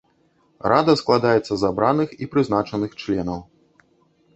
Рада складаецца з абраных і прызначаных членаў.